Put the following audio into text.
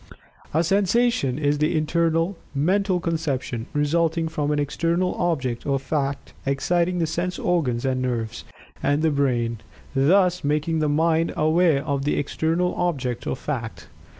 A sensation is the internal, mental conception, resulting from an external object or fact exciting the sense organs and nerves, and the brain, thus making the mind "aware" of the external object or fact.